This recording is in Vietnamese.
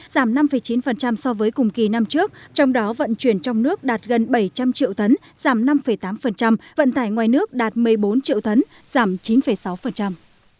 giảm năm chín so với cùng kỳ năm trước trong đó vận chuyển trong nước đạt gần bảy trăm linh triệu tấn giảm năm tám vận tải ngoài nước đạt một mươi bốn triệu tấn giảm chín sáu